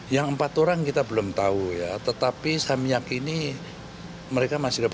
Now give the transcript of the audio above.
yang empat orang kita belum tahu ya tetapi saya meyakini mereka masih dapat